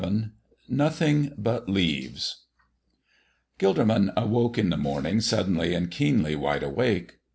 XI NOTHING BUT LEAVES GILDERMAN awoke in the morning suddenly and keenly wide awake.